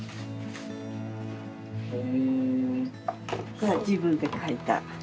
これ自分で書いた。